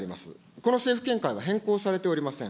この政府見解は変更されておりません。